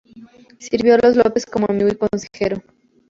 Sirvió a los López como amigo y consejero.